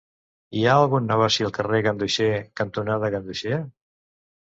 Hi ha algun negoci al carrer Ganduxer cantonada Ganduxer?